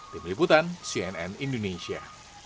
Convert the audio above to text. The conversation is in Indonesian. tim liputan cnn indonesia